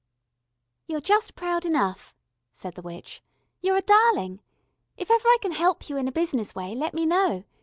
"You're just proud enough," said the witch. "You're a darling. If ever I can help you in a business way, let me know.